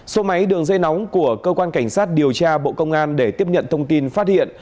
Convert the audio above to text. số máy đường dây nóng của cơ quan cảnh sát điều tra bộ công an để tiếp nhận thông tin phát hiện